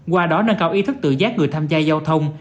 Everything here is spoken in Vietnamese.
qua đó nâng cao ý thức tự giác người tham gia giao thông